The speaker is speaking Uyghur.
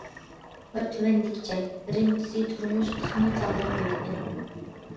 ئۇلار تۆۋەندىكىچە: بىرىنچىسى: تۇرمۇش تېخىمۇ ساغلام بولىدىكەن.